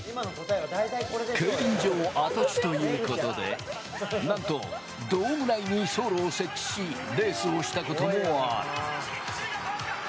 競輪場跡地ということで、なんと、ドーム内に走路を設置し、レースをしたこともある。